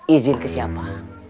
izin ke siapa